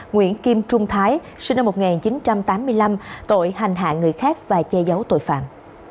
nguyễn kim trung thái sinh năm một nghìn chín trăm tám mươi năm tội hành hạ người khác và che giấu tội phạm